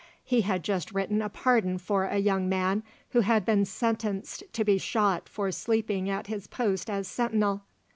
He had just written a pardon for a young man who had been sentenced to be shot for sleeping at his post as sentinel.